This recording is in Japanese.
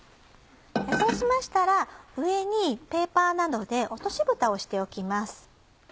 そうしましたら上にペーパーなどで落としぶたをしておきます。